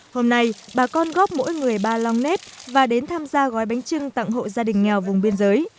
hôm nay bà con góp mỗi người ba lòng nét và đến tham gia gói bánh trưng tặng hộ gia đình nghèo vùng biên giới